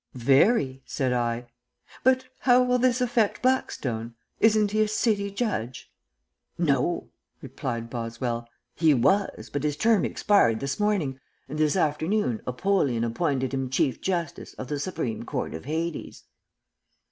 "Very," said I. "But how will this affect Blackstone? Isn't he a City Judge?" "No," replied Boswell; "he was, but his term expired this morning, and this afternoon Apollyon appointed him Chief Justice of the Supreme Court of Hades."